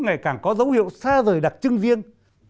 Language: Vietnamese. ngày càng có dấu hiệu xa rời đặc trưng riêng